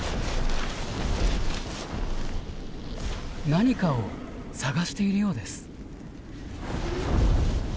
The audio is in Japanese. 何かを探しているようです。